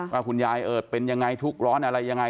ว่าคุณยายเอิดเป็นยังไงทุกข์ร้อนอะไรยังไง